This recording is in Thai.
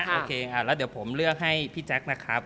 โอเคค่ะแล้วเดี๋ยวผมเลือกให้พี่แจ๊คนะครับ